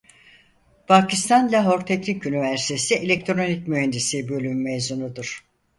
Pakistan Lahor Teknik Üniversitesi Elektronik Mühendisliği Bölümü mezunudur.